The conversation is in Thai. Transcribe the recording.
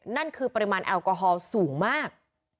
นั่นคือปริมาณแอลกอฮอลสูงมาก